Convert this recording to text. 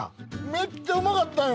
めっちゃうまかったんよ